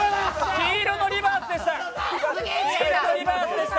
黄色のリバースでした。